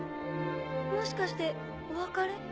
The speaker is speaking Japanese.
もしかしてお別れ？